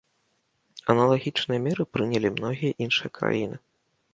Аналагічныя меры прынялі многія іншыя краіны.